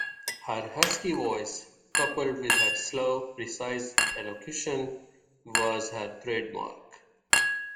Her husky voice, coupled with her slow, precise elocution, was her trademark.